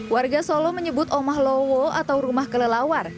warga solo menyebut omah lowo atau rumah kelelawar